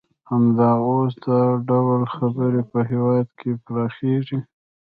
همدا اوس دا ډول خبرې په هېواد کې پراخیږي